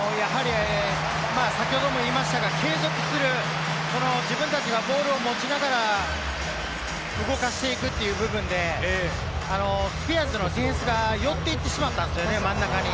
先ほども言いましたけれども、継続する、自分たちがボールを持ちながら、動かしていくという部分で、スピアーズのディフェンスが寄っていってしまったんですよね、真ん中に。